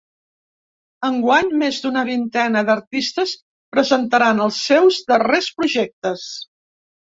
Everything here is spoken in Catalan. Enguany, més d’una vintena d’artistes presentaran els seus darrers projectes.